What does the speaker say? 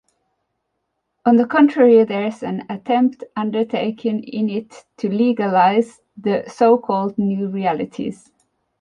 On the contrary there’s an attempt undertaken in it to legalize the so called new realities.